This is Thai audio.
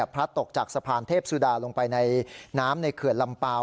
ตกจากสะพานเทพสุดาลงไปในน้ำในเขื่อนลำเปล่า